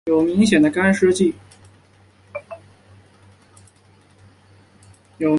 有明显的干湿季。